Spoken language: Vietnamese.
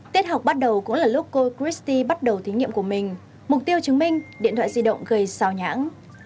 tiết học bắt đầu cũng là lúc cô christi bắt đầu thí nghiệm của mình mục tiêu chứng minh điện thoại di động gây xào nhãn